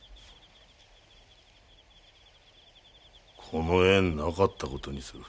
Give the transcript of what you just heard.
この縁なかった事にする。